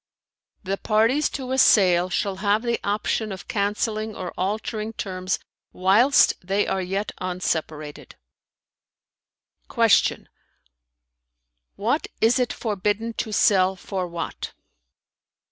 'The parties to a sale shall have the option of cancelling or altering terms whilst they are yet unseparated.'", Q "What is it forbidden to sell for what?"